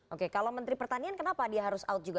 oke kalau menteri pertanian kenapa dia harus out juga